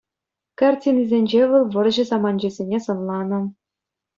Картинисенче вӑл вӑрҫӑ саманчӗсене сӑнланнӑ.